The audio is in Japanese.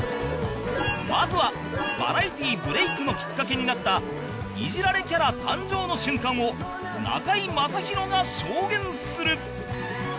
まずはバラエティブレイクのきっかけになったイジられキャラ誕生の瞬間を中居正広が証言する